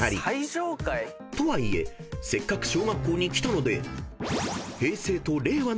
［とはいえせっかく小学校に来たので］